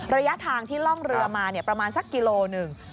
ระยะทางที่ล่องเรือมาประมาณสักกิโลหนึ่ง